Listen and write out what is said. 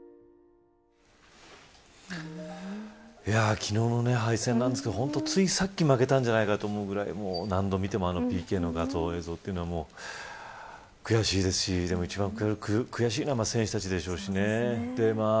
昨日の敗戦なんですけど本当についさっき負けたんじゃないかと思うぐらい何度見ても、ＰＫの映像は悔しいですしでも一番悔しいのは選手たちでしょうしね。